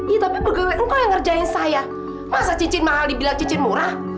ya tapi pegawai engkau yang ngerjain saya masa cincin mahal dibilang cincin murah